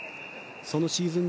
そのシーズン